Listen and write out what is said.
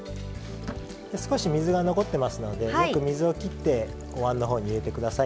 少し水が残ってますのでよく水をきっておわんのほうに入れて下さい。